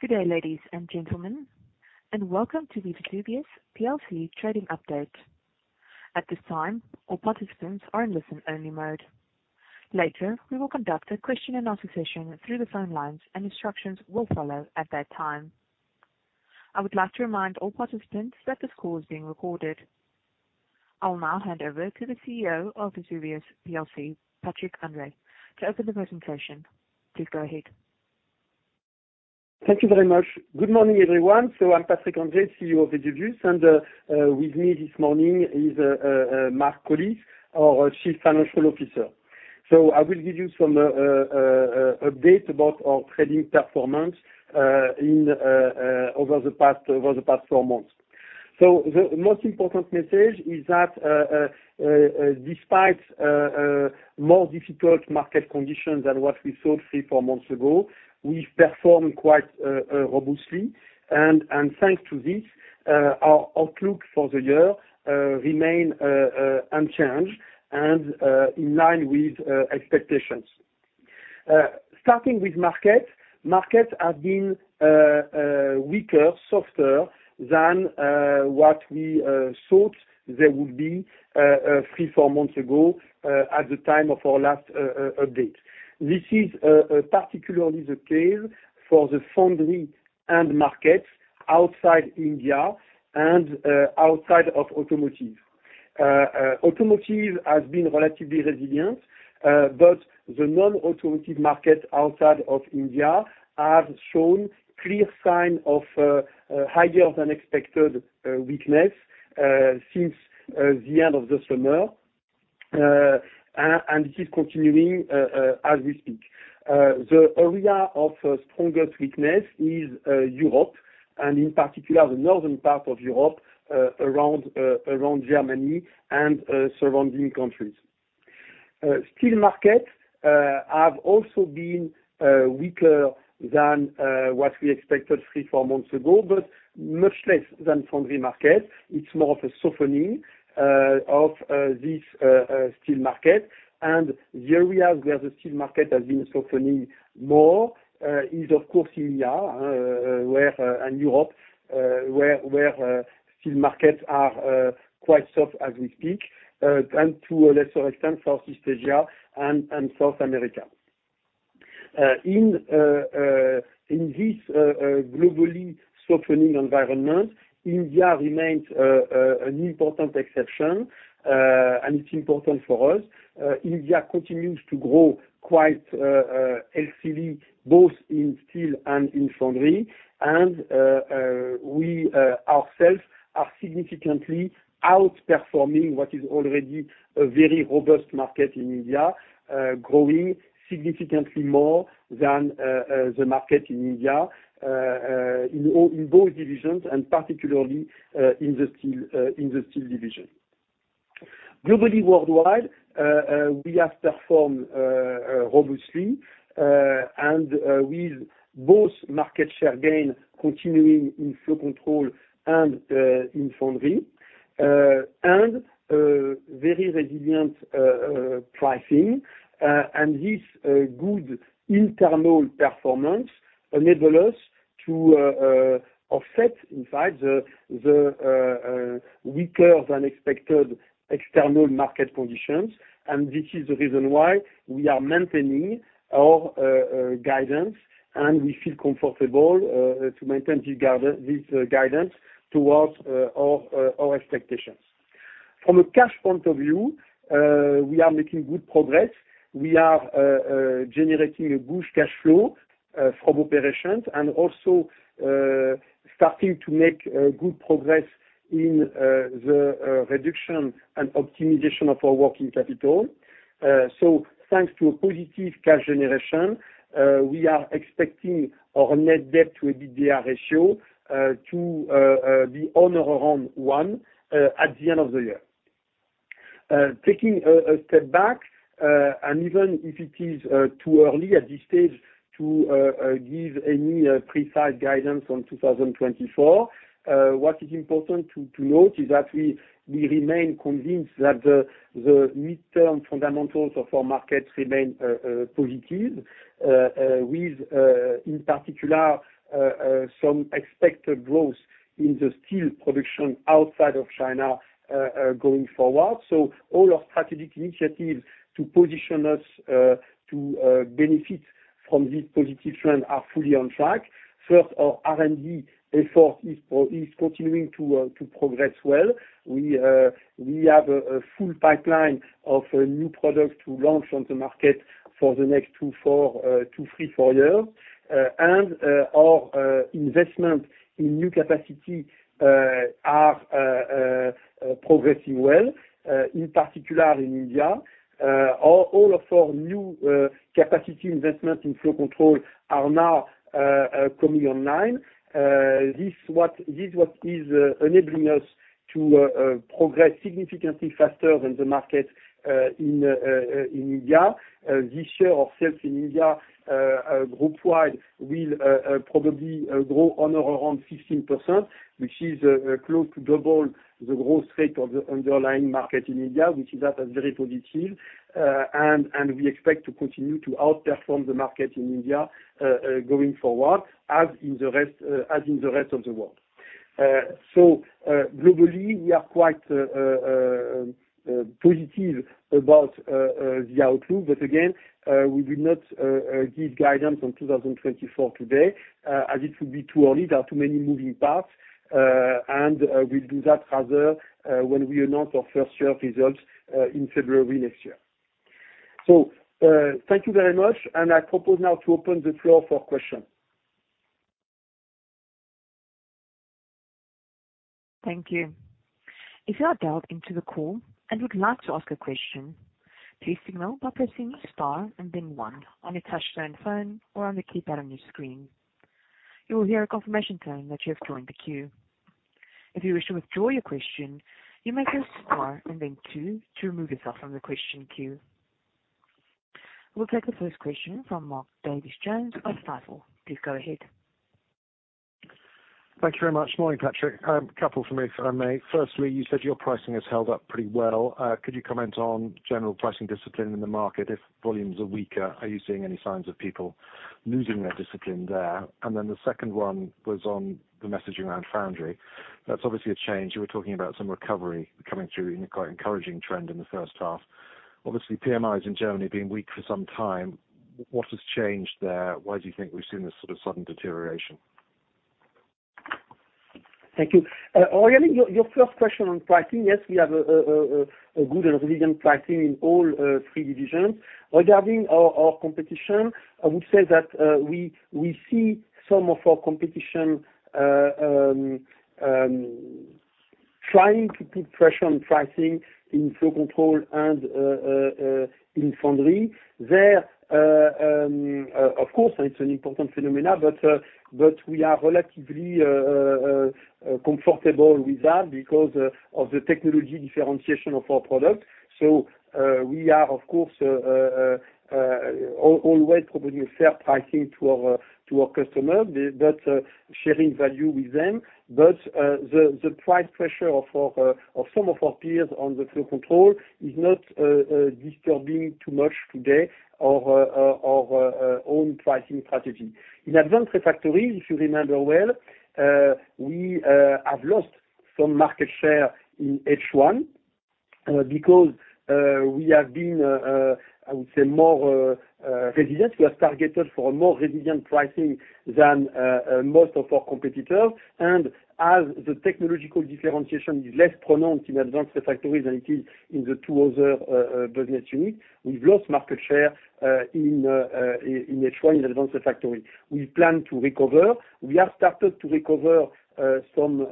Good day, ladies and gentlemen, and welcome to the Vesuvius plc trading update. At this time, all participants are in listen-only mode. Later, we will conduct a question and answer session through the phone lines and instructions will follow at that time. I would like to remind all participants that this call is being recorded. I will now hand over to the CEO of Vesuvius plc, Patrick André, to open the presentation. Please go ahead. Thank you very much. Good morning, everyone. I'm Patrick André, CEO of Vesuvius, and with me this morning is Mark Collis, our Chief Financial Officer. I will give you some update about our trading performance in over the past, over the past four months. The most important message is that despite more difficult market conditions than what we thought three-four months ago, we've performed quite robustly, and thanks to this our outlook for the year remain unchanged and in line with expectations. Starting with market, markets have been weaker, softer than what we thought they would be three-four months ago at the time of our last update. This is particularly the case for the foundry end market outside India and outside of automotive. Automotive has been relatively resilient, but the non-automotive market outside of India have shown clear sign of higher than expected weakness since the end of the summer. And this is continuing as we speak. The area of strongest weakness is Europe and in particular, the northern part of Europe, around Germany and surrounding countries. Steel markets have also been weaker than what we expected three, four months ago, but much less than foundry market. It's more of a softening of this steel market. The areas where the steel market has been softening more is, of course, India and Europe, where steel markets are quite soft as we speak, and to a lesser extent, Southeast Asia and South America. In this globally softening environment, India remains an important exception, and it's important for us. India continues to grow quite healthily, both in steel and in foundry, and we ourselves are significantly outperforming what is already a very robust market in India, growing significantly more than the market in India, in both divisions and particularly in the Steel Division. Globally, worldwide, we have performed robustly, and with both market share gain continuing in Flow Control and in Foundry, and very resilient pricing. And this good internal performance enable us to offset in fact the weaker than expected external market conditions. And this is the reason why we are maintaining our guidance, and we feel comfortable to maintain this guidance towards our expectations. From a cash point of view, we are making good progress. We are generating a good cash flow from operations and also starting to make good progress in the reduction and optimization of our working capital. So thanks to a positive cash generation, we are expecting our net debt to EBITDA ratio to be on or around one at the end of the year. Taking a step back, and even if it is too early at this stage to give any precise guidance on 2024, what is important to note is that we remain convinced that the midterm fundamentals of our markets remain positive. With, in particular, some expected growth in the steel production outside of China going forward. So all our strategic initiatives to position us to benefit from this positive trend are fully on track. First, our R&D effort is continuing to progress well. We have a full pipeline of new products to launch on the market for the next two, three, four years. Our investment in new capacity are progressing well, in particular in India. All of our new capacity investment in Flow Control are now coming online. This is what is enabling us to progress significantly faster than the market in India. This year, our sales in India, group wide, will probably grow on or around 15%, which is close to double the growth rate of the underlying market in India, which is, that's very positive. And, and we expect to continue to outperform the market in India, going forward, as in the rest, as in the rest of the world. So, globally, we are quite positive about the outlook. But again, we will not give guidance on 2024 today, as it would be too early. There are too many moving parts, and, we'll do that rather, when we announce our full year results, in February next year. So, thank you very much, and I propose now to open the floor for question. Thank you. If you are dialed into the call and would like to ask a question, please signal by pressing star and then one on your touchtone phone or on the keypad on your screen. You will hear a confirmation tone that you have joined the queue. If you wish to withdraw your question, you may press star and then two to remove yourself from the question queue. We'll take the first question from Mark Davies Jones of Stifel. Please go ahead. Thank you very much. Morning, Patrick. A couple from me, if I may. Firstly, you said your pricing has held up pretty well. Could you comment on general pricing discipline in the market if volumes are weaker? Are you seeing any signs of people losing their discipline there? And then the second one was on the messaging around foundry. That's obviously a change. You were talking about some recovery coming through in a quite encouraging trend in the first half. Obviously, PMIs in Germany have been weak for some time. What has changed there? Why do you think we've seen this sort of sudden deterioration? Thank you. Regarding your first question on pricing, yes, we have a good and resilient pricing in all three divisions. Regarding our competition, I would say that we see some of our competition trying to put pressure on pricing in Flow Control and in Foundry. There, of course, it's an important phenomenon, but we are relatively comfortable with that because of the technology differentiation of our product. So, we are, of course, always providing fair pricing to our customers, but sharing value with them. But, the price pressure of our some of our peers on the Flow Control is not disturbing too much today our own pricing strategy. In Advanced Refractory, if you remember well, we have lost some market share in H1, because we have been, I would say, more resilient. We have targeted for a more resilient pricing than most of our competitors. As the technological differentiation is less pronounced in Advanced Refractory than it is in the two other business units, we've lost market share in H1, in Advanced Refractory. We plan to recover. We have started to recover some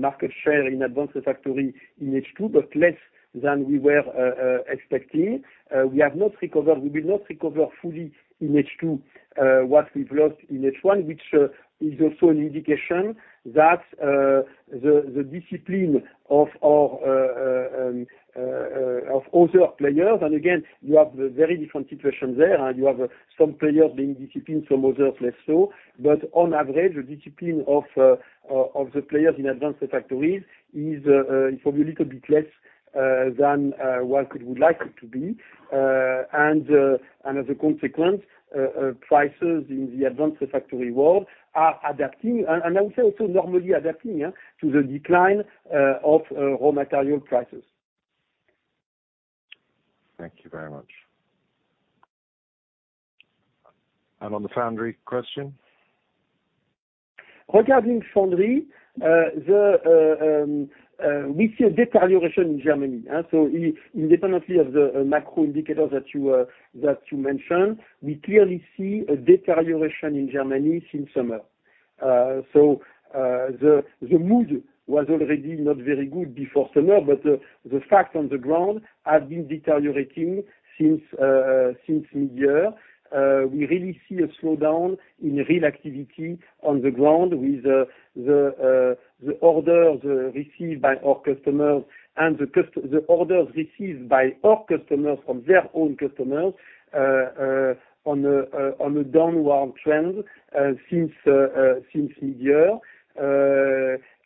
market share in Advanced Refractory in H2, but less than we were expecting. We have not recovered. We will not recover fully in H2 what we've lost in H1, which is also an indication that the discipline of other players, and again, you have a very different situation there, and you have some players being disciplined, some others less so. But on average, the discipline of the players in Advanced Refractory is probably a little bit less than one would like it to be. And as a consequence, prices in the Advanced Refractory world are adapting, and I would say also normally adapting, yeah, to the decline of raw material prices. Thank you very much. On the Foundry question? Regarding Foundry, we see a deterioration in Germany. So independently of the macro indicators that you mentioned, we clearly see a deterioration in Germany since summer. So the mood was already not very good before summer, but the fact on the ground has been deteriorating since mid-year. We really see a slowdown in real activity on the ground with the orders received by our customers and the orders received by our customers from their own customers on a downward trend since mid-year.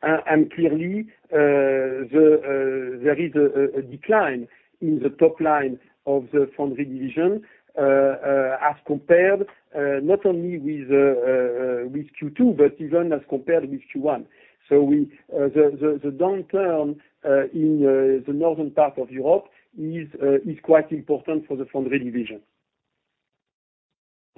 And clearly, there is a decline in the top line of the Foundry Division, as compared not only with Q2, but even as compared with Q1. So, the downturn in the northern part of Europe is quite important for the Foundry Division.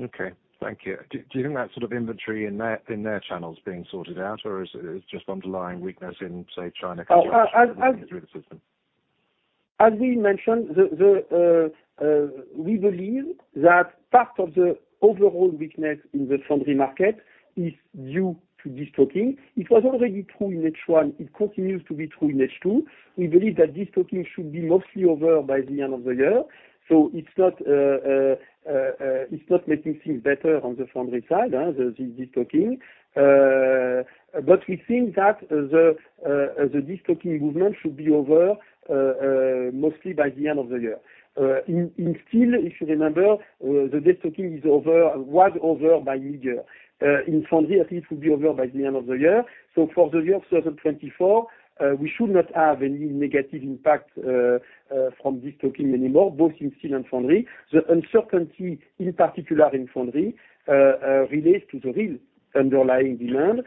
Okay, thank you. Do you think that sort of inventory in their channels is being sorted out, or is just underlying weakness in, say, China- Uh, uh, as, as- Through the system? As we mentioned, we believe that part of the overall weakness in the foundry market is due to destocking. It was already true in H1. It continues to be true in H2. We believe that destocking should be mostly over by the end of the year, so it's not making things better on the foundry side, the destocking. But we think that the destocking movement should be over, mostly by the end of the year. In steel, if you remember, the destocking is over, was over by mid-year. In foundry, I think it will be over by the end of the year. So for the year 2024, we should not have any negative impact from destocking anymore, both in steel and foundry. The uncertainty, in particular in foundry, relates to the real underlying demand.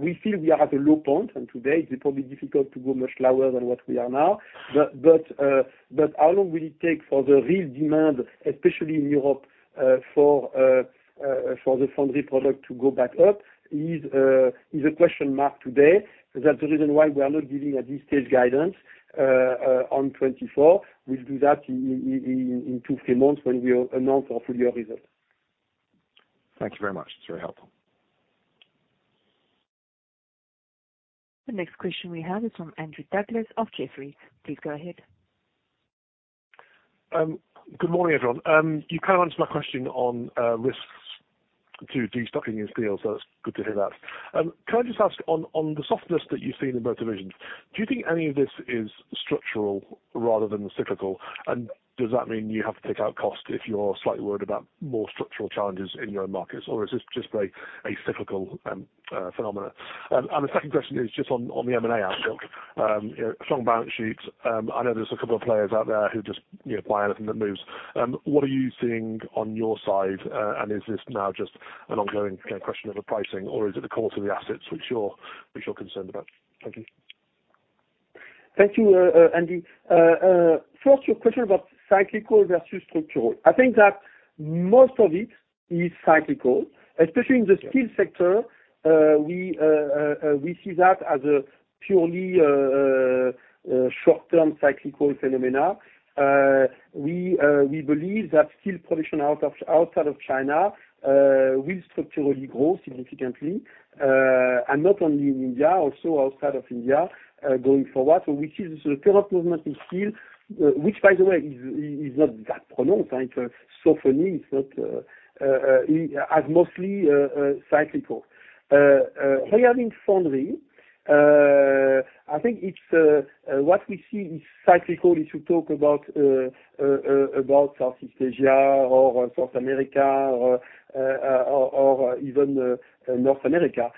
We feel we are at a low point, and today it's probably difficult to go much lower than what we are now. But how long will it take for the real demand, especially in Europe, for the foundry product to go back up, is a question mark today. That's the reason why we are not giving a detailed guidance on 2024. We'll do that in two, three months when we announce our full year results.... Thank you very much. It's very helpful. The next question we have is from Andrew Douglas of Jefferies. Please go ahead. Good morning, everyone. You kind of answered my question on risks to destocking in steel, so that's good to hear that. Can I just ask on the softness that you've seen in both divisions, do you think any of this is structural rather than cyclical? And does that mean you have to take out cost if you're slightly worried about more structural challenges in your own markets, or is this just like a cyclical phenomena? And the second question is just on the M&A outlook. You know, strong balance sheets. I know there's a couple of players out there who just, you know, buy anything that moves. What are you seeing on your side, and is this now just an ongoing kind of question of the pricing, or is it the core to the assets which you're concerned about? Thank you. Thank you, Andy. First, your question about cyclical versus structural. I think that most of it is cyclical, especially in the steel sector, we see that as a purely short-term cyclical phenomena. We believe that steel production outside of China will structurally grow significantly, and not only in India, also outside of India, going forward. So we see the current movement in steel, which by the way, is not that pronounced, and softening is not as mostly cyclical. Regarding foundry, I think it's what we see is cyclical, is to talk about about Southeast Asia or North America, or or even North America.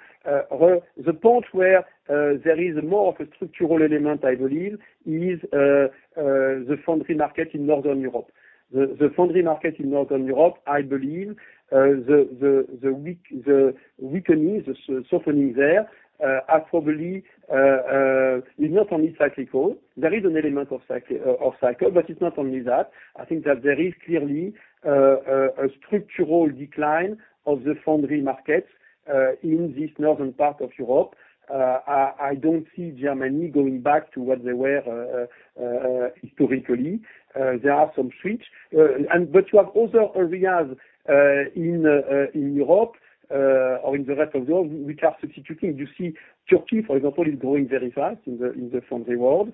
The point where there is more of a structural element, I believe, is the foundry market in Northern Europe. The foundry market in Northern Europe, I believe, the weakening, the softening there are probably is not only cyclical. There is an element of cycle, but it's not only that. I think that there is clearly a structural decline of the foundry market in this northern part of Europe. I don't see Germany going back to what they were historically. There are some switch, and but you have other areas in in Europe or in the rest of the world, which are substituting. You see, Turkey, for example, is growing very fast in the foundry world.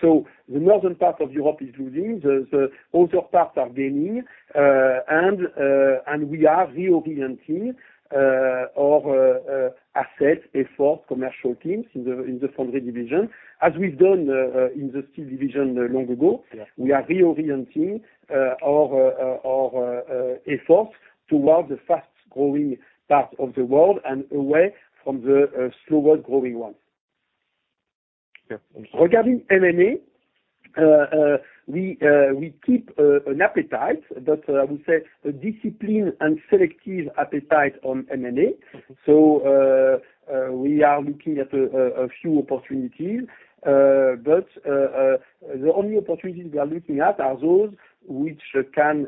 So the northern part of Europe is losing, the other parts are gaining, and we are reorienting our sales effort, commercial teams in the Foundry Division, as we've done in the Steel Division long ago. Yeah. We are reorienting our effort toward the fast-growing part of the world and away from the slower-growing one. Yeah. Regarding M&A, we keep an appetite, but I would say a disciplined and selective appetite on M&A. Mm-hmm. So, we are looking at a few opportunities, but the only opportunities we are looking at are those which can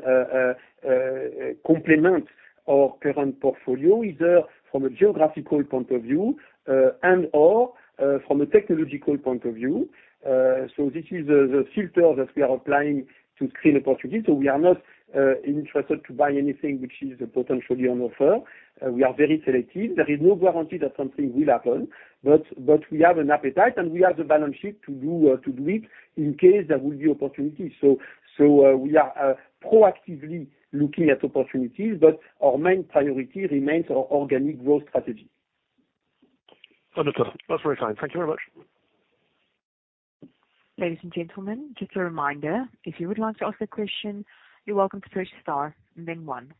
complement our current portfolio, either from a geographical point of view, and/or from a technological point of view. So, this is the filter that we are applying to screen opportunities, so we are not interested to buy anything which is potentially on offer. We are very selective. There is no guarantee that something will happen, but we have an appetite, and we have the balance sheet to do it in case there will be opportunities. We are proactively looking at opportunities, but our main priority remains our organic growth strategy. Understood. That's very kind. Thank you very much. Ladies and gentlemen, just a reminder, if you would like to ask a question, you're welcome to press star then one.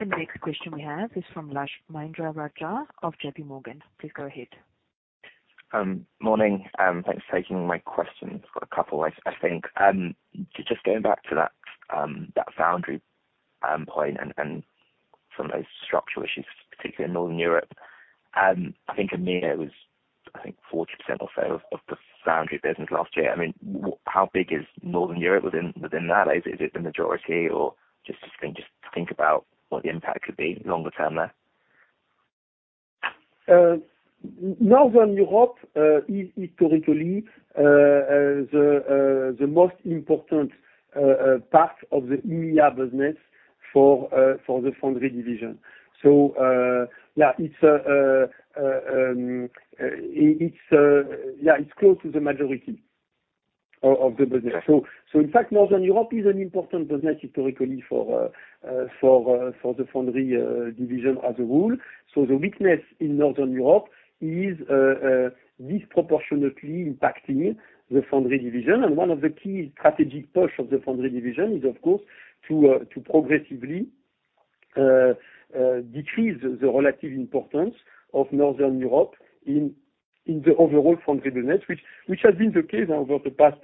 The next question we have is from Lushanthan Mahendrarajah of J.P. Morgan. Please go ahead. Morning. Thanks for taking my question. I've got a couple, I think. Just going back to that, that foundry point and, and some of those structural issues, particularly in Northern Europe, I think EMEA was, I think, 40% or so of, of the foundry business last year. I mean, how big is Northern Europe within, within that? Is it, is it the majority, or just think, just think about what the impact could be longer term there? Northern Europe is historically the most important part of the EMEA business for the Foundry Division. So, it's close to the majority of the business. So, in fact, Northern Europe is an important business historically for the Foundry Division as a whole. So the weakness in Northern Europe is disproportionately impacting the Foundry Division, and one of the key strategic push of the Foundry Division is, of course, to progressively decrease the relative importance of Northern Europe in the overall foundry business, which has been the case over the past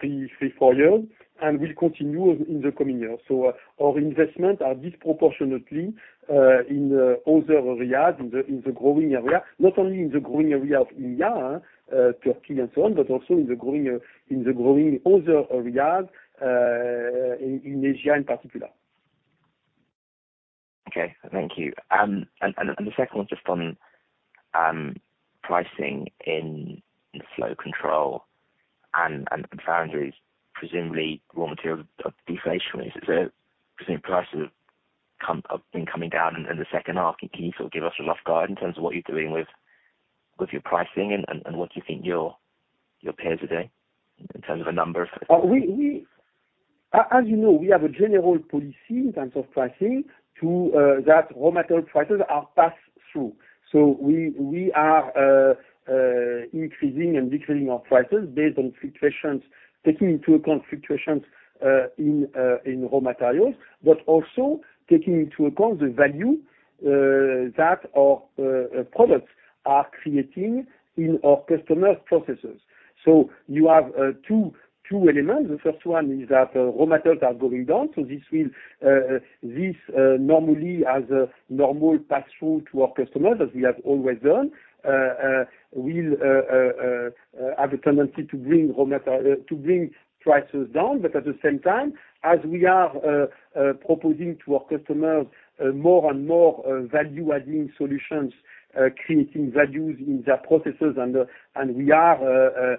three or four years, and will continue in the coming years. So our investment are disproportionately in other areas, in the growing area, not only in the growing area of India, Turkey and so on, but also in the growing other areas, in Asia in particular. Okay, thank you. And the second one, just on pricing in Flow Control and foundries, presumably raw materials are deflationary. Is it the same? Prices have been coming down in the second half? Can you sort of give us a rough guide in terms of what you're doing with your pricing and what you think your peers are doing in terms of a number? As you know, we have a general policy in terms of pricing to that raw material prices are passed through. So we are increasing and decreasing our prices based on fluctuations, taking into account fluctuations in raw materials, but also taking into account the value that our products are creating in our customer processes. So you have two elements. The first one is that raw materials are going down, so this will normally as a normal pass-through to our customers, as we have always done, will have a tendency to bring prices down. But at the same time, as we are proposing to our customers more and more value adding solutions, creating values in their processes, and we are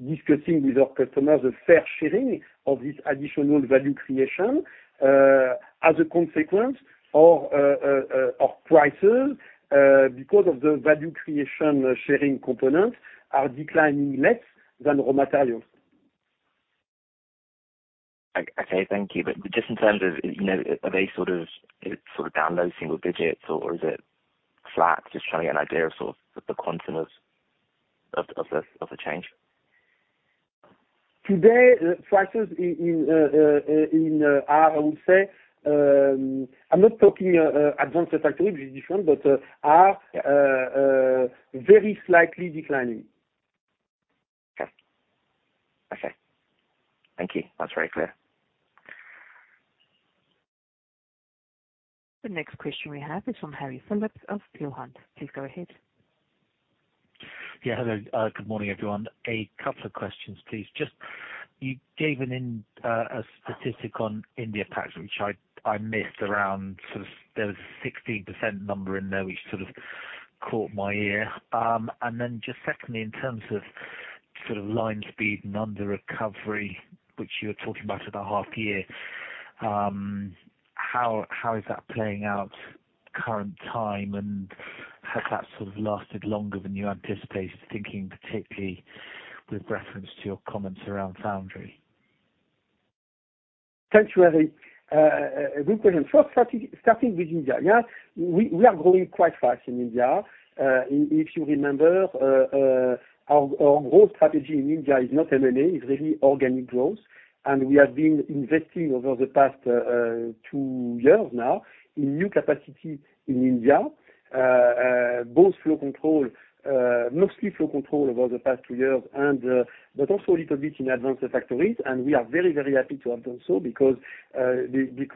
discussing with our customers a fair sharing of this additional value creation, as a consequence our prices, because of the value creation sharing component, are declining less than raw materials. Okay, thank you. But just in terms of, you know, are they sort of down low single digits or is it flat? Just trying to get an idea of sort of the quantum of the change? Today, prices in are, I would say, I'm not talking Advanced Refractories, which is different, but are very slightly declining. Okay. Okay. Thank you. That's very clear. The next question we have is from Harry Phillips of Peel Hunt. Please go ahead. Yeah, hello. Good morning, everyone. A couple of questions, please. Just, you gave an interesting statistic on India capex, which I missed around, sort of. There was a 16% number in there, which sort of caught my ear. And then just secondly, in terms of sort of line speed and under-recovery, which you were talking about at the half-year, how is that playing out at the current time, and has that sort of lasted longer than you anticipated, thinking particularly with reference to your comments around foundry? Thanks, Harry. A good question. First, starting with India. Yeah, we are growing quite fast in India. If you remember, our growth strategy in India is not M&A, it's really organic growth, and we have been investing over the past two years now in new capacity in India. Both Flow Control, mostly Flow Control over the past two years, and but also a little bit in Advanced Refractories, and we are very, very happy to have done so, because the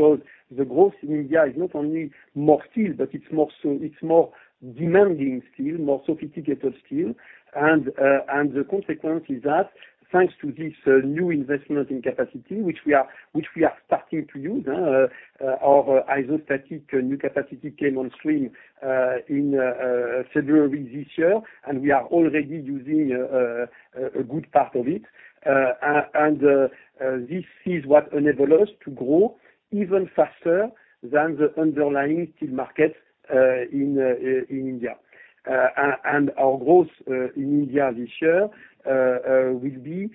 growth in India is not only more steel, but it's more demanding steel, more sophisticated steel. The consequence is that thanks to this new investment in capacity, which we are starting to use, our isostatic new capacity came on stream in February this year, and we are already using a good part of it. This is what enable us to grow even faster than the underlying steel market in India. Our growth in India this year will be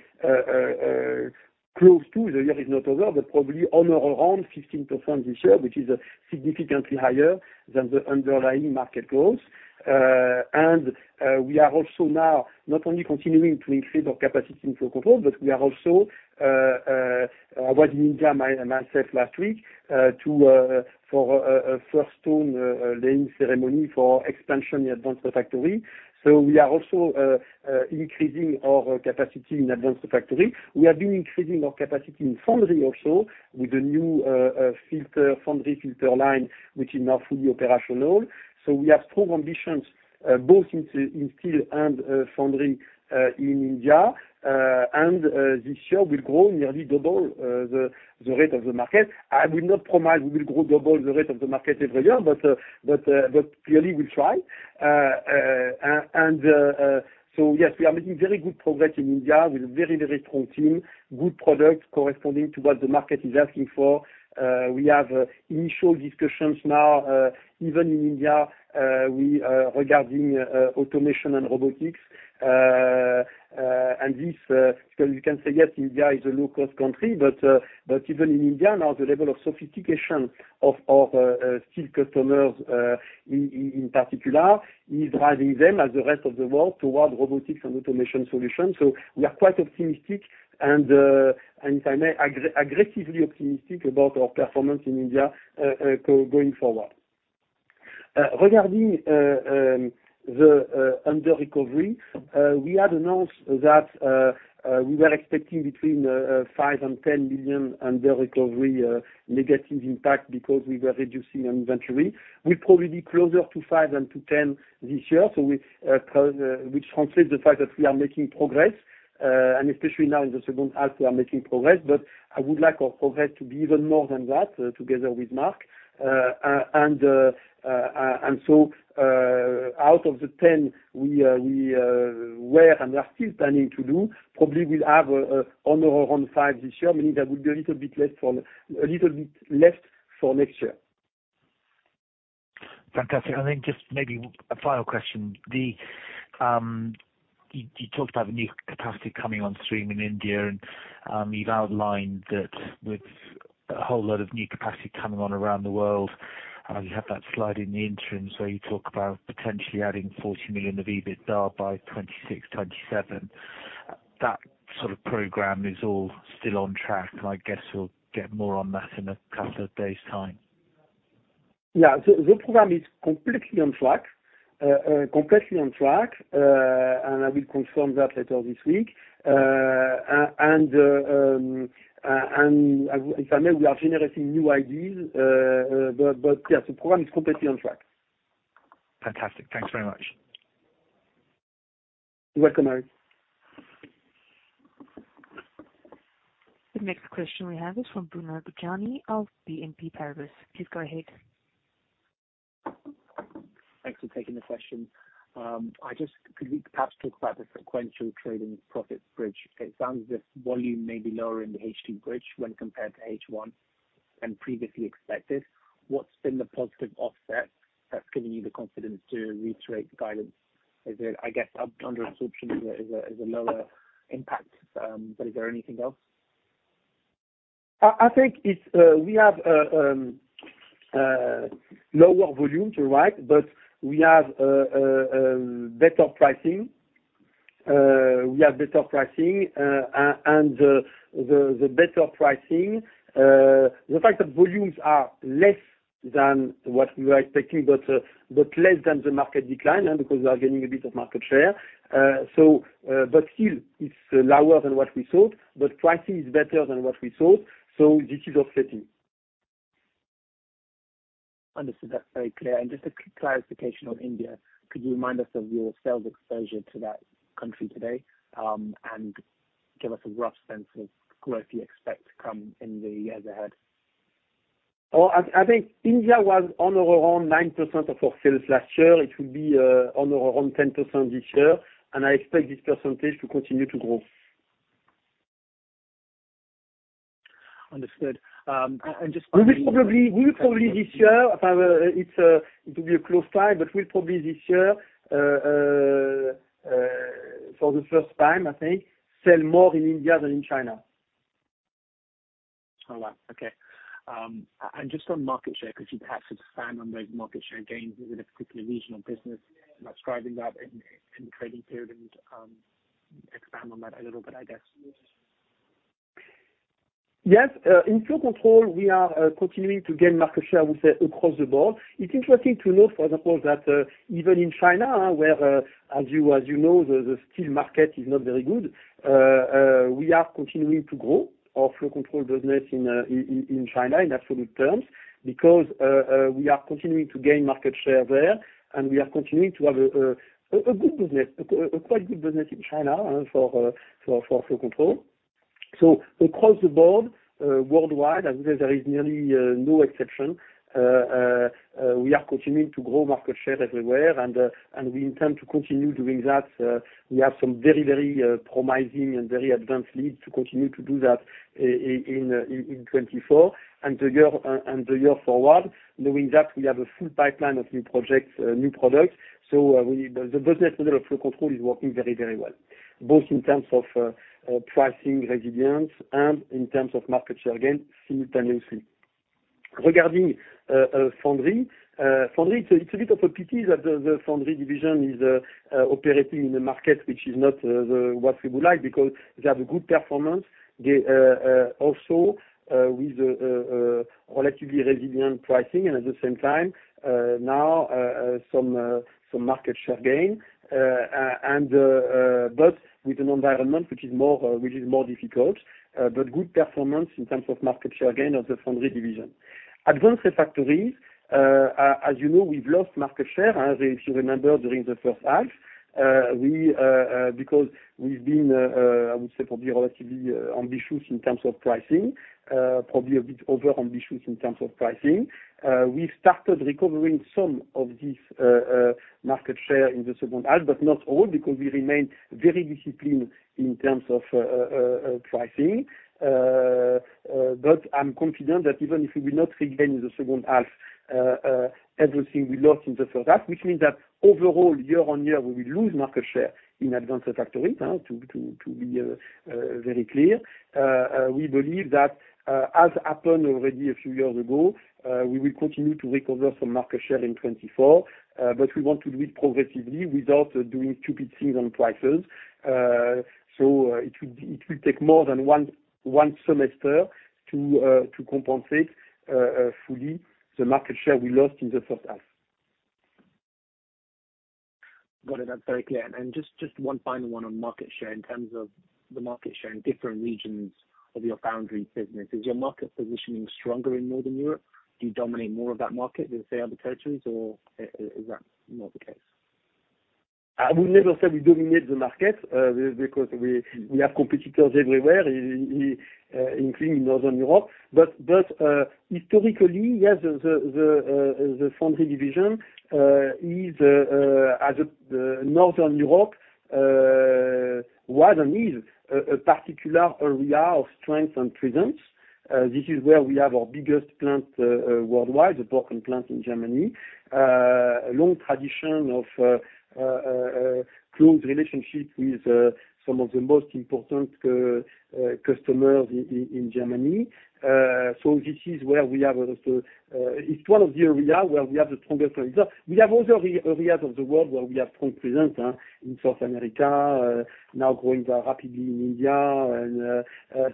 close to. The year is not over, but probably on or around 15% this year, which is significantly higher than the underlying market growth. And, we are also now not only continuing to increase our capacity in Flow Control, but we are also, I was in India myself last week, to, for, a first stone laying ceremony for expansion in Advanced Refractories. So we are also increasing our capacity in Advanced Refractories. We have been increasing our capacity in Foundry also, with the new filter, Foundry filter line, which is now fully operational. So we have strong ambitions both in steel and foundry in India. And this year will grow nearly double the rate of the market. I will not promise we will grow double the rate of the market every year, but clearly we'll try. So yes, we are making very good progress in India, with a very, very strong team, good products corresponding to what the market is asking for. We have initial discussions now, even in India, regarding automation and robotics. And this, because you can say, yes, India is a low-cost country, but even in India, now the level of sophistication of steel customers, in particular, is driving them, as the rest of the world, toward robotics and automation solutions. So we are quite optimistic, and if I may, aggressively optimistic about our performance in India, going forward. Regarding the under-recovery, we had announced that we were expecting between 5 million and 10 million under-recovery, negative impact because we were reducing on inventory. We're probably closer to five than to 10 this year, so which translates the fact that we are making progress, and especially now in the second half, we are making progress. But I would like our progress to be even more than that, together with Mark. And so, out of the 10 we were and are still planning to do, probably we'll have on or around 5 this year, meaning there will be a little bit left for next year.... Fantastic. I think just maybe a final question, you talked about the new capacity coming on stream in India, and you've outlined that with a whole lot of new capacity coming on around the world, you have that slide in the interim, so you talk about potentially adding 40 million of EBITDA by 2026, 2027. That sort of program is all still on track, and I guess we'll get more on that in a couple of days time. Yeah. So the program is completely on track, completely on track, and I will confirm that later this week. If I may, we are generating new ideas, but yeah, the program is completely on track. Fantastic. Thanks very much. You're welcome, Harry. The next question we have is from Bruno Luszcz of BNP Paribas. Please go ahead. Thanks for taking the question. I just could we perhaps talk about the sequential trading profit bridge? It sounds this volume may be lower in the H2 bridge when compared to H1 than previously expected. What's been the positive offset that's given you the confidence to reiterate the guidance? Is it, I guess, underrecovery assumption is a lower impact, but is there anything else? I think it's, we have lower volume, you're right, but we have better pricing. We have better pricing, and the better pricing, the fact that volumes are less than what we were expecting, but less than the market decline, and because we are gaining a bit of market share. So, but still, it's lower than what we thought, but pricing is better than what we thought, so this is offsetting. Understood. That's very clear. Just a quick clarification on India, could you remind us of your sales exposure to that country today, and give us a rough sense of growth you expect to come in the years ahead? Well, I think India was on or around 9% of our sales last year. It will be on or around 10% this year, and I expect this percentage to continue to grow. Understood. And just finally- We probably this year, however, it will be a close time, but we probably this year for the first time, I think, sell more in India than in China. Oh, wow. Okay. And just on market share, could you perhaps expand on those market share gains within a particular regional business that's driving that in trading period, and expand on that a little bit, I guess? Yes. In Flow Control, we are continuing to gain market share, we say, across the board. It's interesting to note, for example, that even in China, where as you know, the steel market is not very good, we are continuing to grow our Flow Control business in China, in absolute terms, because we are continuing to gain market share there, and we are continuing to have a good business, a quite good business in China, for Flow Control. So across the board, worldwide, I would say there is nearly no exception. We are continuing to grow market share everywhere, and we intend to continue doing that. We have some very, very promising and very advanced leads to continue to do that in 2024 and the year forward. Knowing that we have a full pipeline of new projects, new products, we, the business model of Flow Control is working very, very well, both in terms of pricing, resilience, and in terms of market share gains simultaneously. Regarding Foundry. Foundry, it's a bit of a pity that the Foundry Division is operating in a market which is not what we would like, because they have a good performance. They also with relatively resilient pricing, and at the same time, now some market share gain, and but with an environment which is more difficult, but good performance in terms of market share gain of the Foundry Division. Advanced Refractories, as you know, we've lost market share, as if you remember, during the first half. We because we've been, I would say, probably relatively ambitious in terms of pricing, probably a bit over ambitious in terms of pricing. We've started recovering some of this market share in the second half, but not all, because we remain very disciplined in terms of pricing. But I'm confident that even if we will not regain the second half, everything we lost in the first half, which means that overall, year-on-year, we will lose market share in Advanced Refractories, to be very clear. We believe that, as happened already a few years ago, we will continue to recover some market share in 2024, but we want to do it progressively without doing stupid things on prices. So, it will take more than one semester to compensate fully the market share we lost in the first half. Got it. That's very clear. And just, just one final one on market share, in terms of the market share in different regions of your Foundry business, is your market positioning stronger in Northern Europe? Do you dominate more of that market than, say, other countries, or is that not the case? I would never say we dominate the market, because we have competitors everywhere, including in Northern Europe. But historically, yes, the Foundry Division is as a the Northern Europe was and is a particular area of strength and presence. This is where we have our biggest plant worldwide, the Borken plant in Germany. A long tradition of a close relationship with some of the most important customers in Germany. So this is where we have also; it's one of the area where we have the strongest result. We have other areas of the world where we have strong presence, in South America, now growing very rapidly in India, and,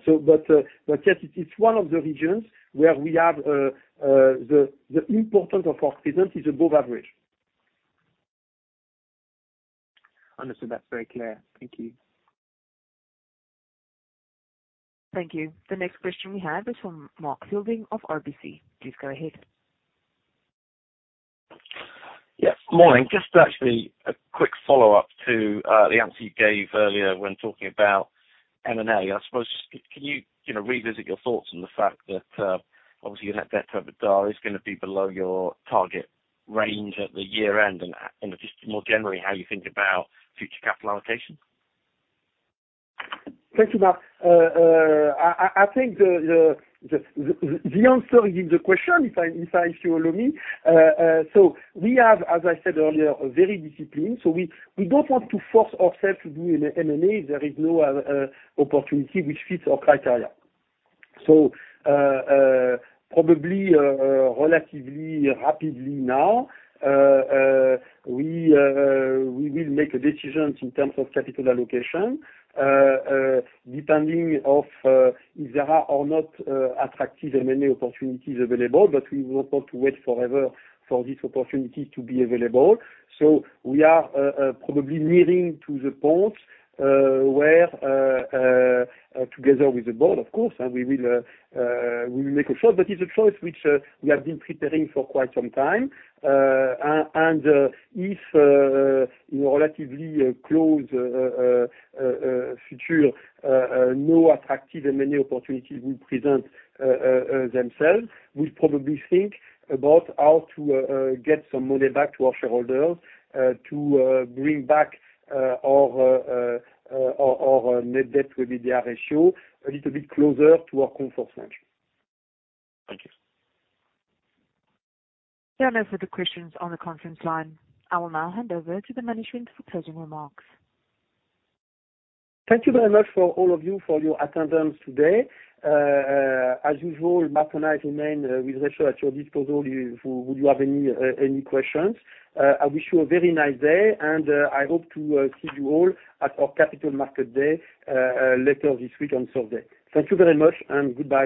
so but, but yes, it is one of the regions where we have the importance of our presence is above average. Understood. That's very clear. Thank you. Thank you. The next question we have is from Mark Fielding of RBC. Please go ahead. Yes, morning. Just actually a quick follow-up to the answer you gave earlier when talking about M&A. I suppose, can you, you know, revisit your thoughts on the fact that, obviously, your net debt-to-EBITDA is gonna be below your target range at the year-end? And, and just more generally, how you think about future capital allocation. Thank you, Mark. I think the answer is in the question, if you allow me. So we have, as I said earlier, very disciplined, so we don't want to force ourselves to do M&A if there is no opportunity which fits our criteria. So, probably, relatively rapidly now, we will make a decision in terms of capital allocation, depending of if there are or not attractive M&A opportunities available. But we will not want to wait forever for this opportunity to be available. So we are probably nearing to the point where, together with the board, of course, we will make a choice. But it's a choice which we have been preparing for quite some time. And if in relatively close future no attractive M&A opportunity will present themselves, we'll probably think about how to get some money back to our shareholders, to bring back our net debt to EBITDA ratio a little bit closer to our comfort range. Thank you. There are no further questions on the conference line. I will now hand over to the management for closing remarks. Thank you very much for all of you for your attendance today. As usual, Mark and I remain with Rachel at your disposal if you have any questions. I wish you a very nice day, and I hope to see you all at our Capital Markets Day later this week on Thursday. Thank you very much, and goodbye.